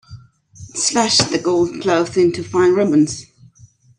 Slash the gold cloth into fine ribbons.